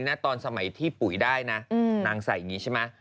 ตอนสมัยที่ปุ๋ยได้นะนางใส่อย่างนี้ใช่ไหม